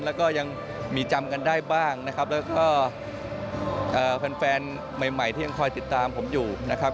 แล้วก็ยังมีจำกันได้บ้างนะครับแล้วก็แฟนใหม่ที่ยังคอยติดตามผมอยู่นะครับ